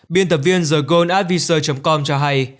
biên tập viên thegoldadvisor com cho hay